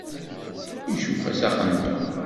Icuff-as aqenduṛ.